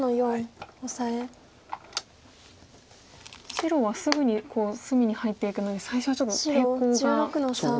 白はすぐに隅に入っていくので最初はちょっと抵抗があると。